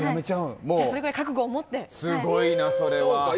それぐらい覚悟を持って。